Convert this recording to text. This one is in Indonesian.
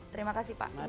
terima kasih pak